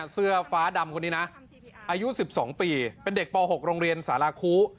เสื้อฟ้าดำคนนี้นะอายุ๑๒ปีเป็นเด็กป๖โรงเรียนสาราคุ